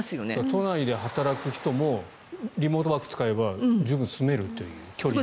都内で働く人もリモートワーク使えば十分住めるという距離ではある。